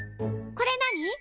これ何？